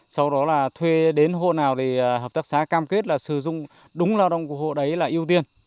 sau đó là thuê đến hộ nào thì hợp tác xá cam kết là sử dụng đúng lao động của hộ đấy là ưu tiên